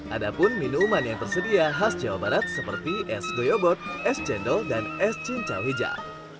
ada pun minuman yang tersedia khas jawa barat seperti es goyobot es cendol dan es cincau hijau